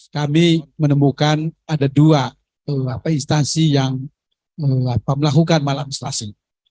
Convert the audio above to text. kami menemukan ada dua instansi yang melakukan malam selasi